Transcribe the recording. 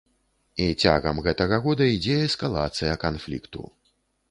І цягам гэтага года ідзе эскалацыя канфлікту.